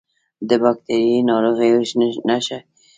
د باکتریایي ناروغیو نښې څه دي؟